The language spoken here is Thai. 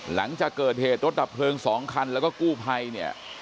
หลังจากเกิดเหตุรถดับเพลิง๒คันแล้วก็กู้ภัยเนี่ย